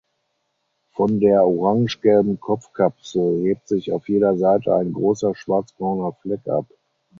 Von der orangegelben Kopfkapsel hebt sich auf jeder Seite ein großer schwarzbrauner Fleck ab.